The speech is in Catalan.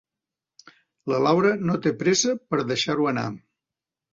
La Laura no té pressa per deixar-ho anar.